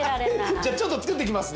じゃあちょっと作っていきますね。